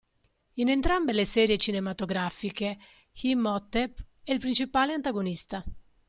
In entrambe le serie cinematografiche, Imhotep è il principale antagonista.